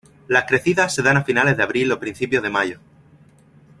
Las crecidas se dan a finales de abril o principios de mayo.